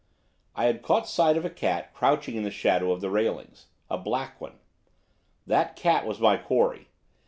I had caught sight of a cat crouching in the shadow of the railings, a black one. That cat was my quarry.